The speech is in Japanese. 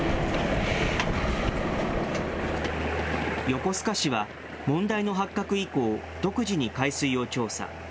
横須賀市は、問題の発覚以降、独自に海水を調査。